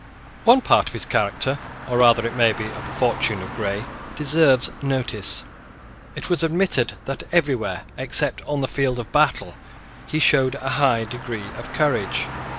One part of the character, or rather, it may be, of the fortune, of Grey deserves notice. It was admitted that everywhere, except on the field of battle, he showed a high degree of courage.